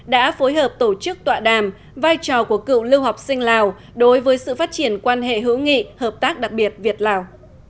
đã phối hợp tổ chức tọa đàm vai trò của cựu lưu học sinh lào đối với sự phát triển quan hệ hữu nghị hợp tác đặc biệt việt lào